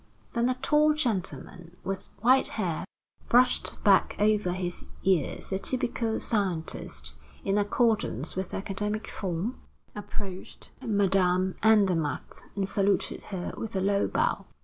Then a tall gentleman with white hair brushed back over his ears, the typical "scientist," in accordance with the academic form, approached Madame Andermatt, and saluted her with a low bow.